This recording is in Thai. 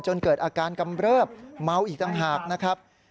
เกิดอาการกำเริบเมาอีกต่างหากนะครับ